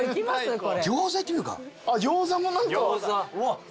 これ。